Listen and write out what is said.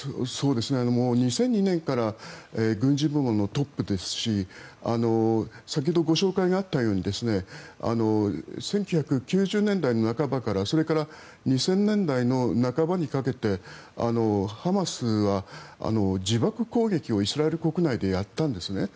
２００２年から軍事部門のトップですし先ほどご紹介があったように１９９０年代の半ばから２０００年代の半ばにかけてハマスは自爆攻撃をイスラエル国内でやったんですね。